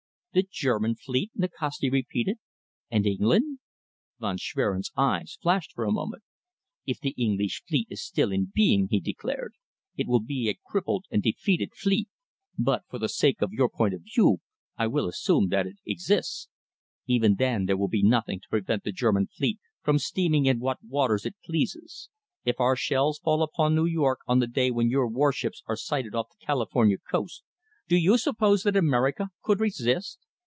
"The German fleet," Nikasti repeated. "And England?" Von Schwerin's eyes flashed for a moment. "If the English fleet is still in being," he declared, "it will be a crippled and defeated fleet, but, for the sake of your point of view, I will assume that it exists. Even then there will be nothing to prevent the German fleet from steaming in what waters it pleases. If our shells fall upon New York on the day when your warships are sighted off the Californian coast, do you suppose that America could resist?